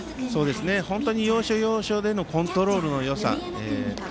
本当に要所要所でのコントロールのよさ。